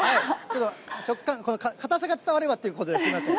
食感、硬さが伝わればということですみません。